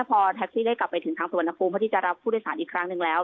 พอแท็กซี่ได้กลับไปถึงทางสวรรณภูมิเพื่อที่จะรับผู้โดยสารอีกครั้งหนึ่งแล้ว